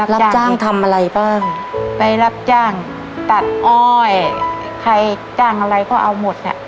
รับจ้างทำอะไรบ้างไปรับจ้างตัดอ้อยใครจ้างอะไรก็เอาหมดอ่ะ